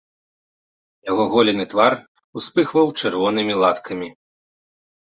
Яго голены твар успыхваў чырвонымі латкамі.